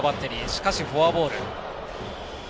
しかし、フォアボール。